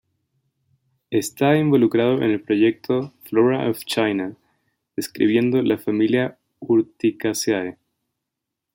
Está involucrado en el proyecto ""Flora of China"", describiendo la familia Urticaceae.